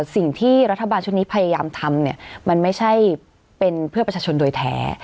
สิ่งที่รัฐบาลชุดนี้พยายามทำเนี่ยมันไม่ใช่เป็นเพื่อประชาชนโดยแท้